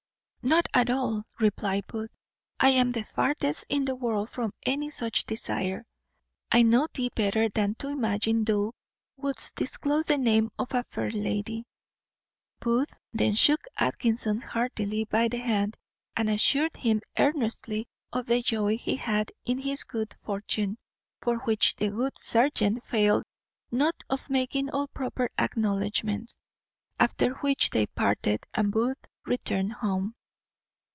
"Not at all," replied Booth; "I am the farthest in the world from any such desire. I know thee better than to imagine thou wouldst disclose the name of a fair lady." Booth then shook Atkinson heartily by the hand, and assured him earnestly of the joy he had in his good fortune; for which the good serjeant failed not of making all proper acknowledgments. After which they parted, and Booth returned home.